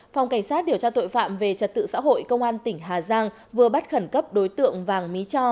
phòng cảnh sát điều tra tội phạm về trật tự xã hội công an tỉnh hà giang vừa bắt khẩn cấp đối tượng vàng mỹ cho